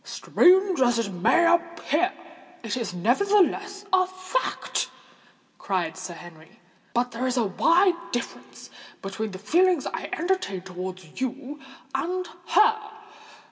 "Strange as it may appear, it is nevertheless a fact!" cried Sir Henry. "But there is a wide difference between the feelings I entertain towards you and her.